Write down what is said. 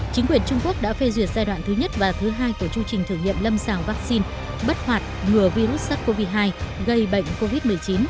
chính quyền trung quốc đã phê duyệt giai đoạn thứ nhất và thứ hai của chương trình thử nghiệm lâm sàng vaccine bất hoạt ngừa virus sars cov hai gây bệnh covid một mươi chín